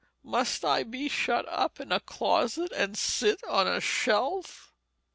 must I be shut in a closet and sit on a shelf?"